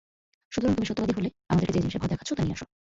সুতরাং তুমি সত্যবাদী হলে আমাদেরকে যে জিনিসের ভয় দেখাচ্ছ তা নিয়ে এসো!